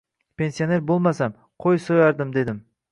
Pensioner bo‘lmasam, qo‘y so‘yardim dedim.